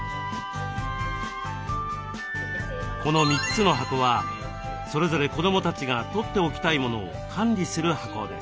この３つの箱はそれぞれ子どもたちがとっておきたいモノを管理する箱です。